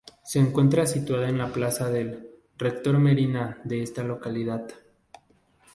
Se encuentra situada en la plaza del Rector Merina de esta localidad.